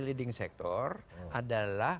leading sector adalah